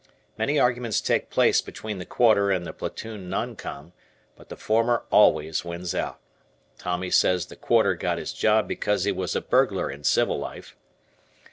Many arguments take place between the "Quarter" and the platoon Non Com, but the former always wins out. Tommy says the "Quarter" got his job because he was a burglar in civil life.